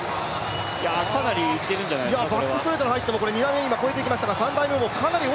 かなりいけるんじゃないですか、これは。